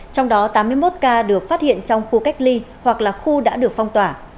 trong đó tám mươi một ca được phát hiện trong khu cách ly hoặc là khu đã được phong tỏa